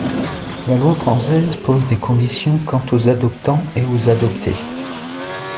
La loi française pose des conditions quant aux adoptants et aux adoptés.